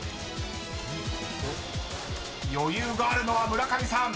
［余裕があるのは村上さん。